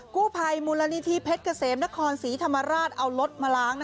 กู้ภัยมูลนิธิเพชรเกษมนครศรีธรรมราชเอารถมาล้าง